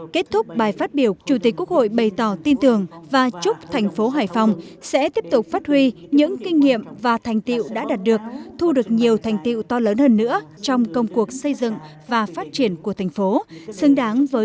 kết thúc bài phát biểu chủ tịch quốc hội bày tỏ tin tưởng và chúc thành phố hải phòng sẽ tiếp tục phát huy những kinh nghiệm và thành tiệu đã đạt được thu được nhiều thành tiệu to lớn hơn nữa trong công cuộc xây dựng và phát triển của thành phố